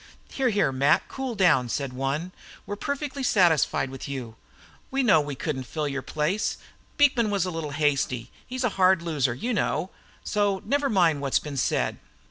"Here, here, Mac, cool down!" said one. "We're perfectly satisfied with you. We know we couldn't fill your place. Beekman was a little hasty. He's a hard loser, you know. So never mind what's been said.